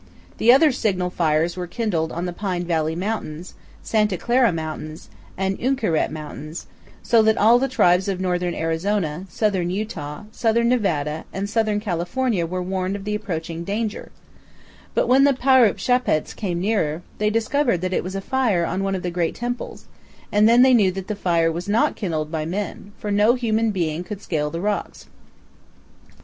Then other signal fires were kindled on the Pine Valley Mountains, Santa Clara Mountains, and Uinkaret Mountains, so that all the tribes of northern Arizona, southern Utah, southern Nevada, and southern California were warned of the approaching danger; but when the Paru'shapats came nearer, they discovered that it was a fire on one of the great temples; and then they knew that the fire was not kindled by men, for no human being could scale the rocks.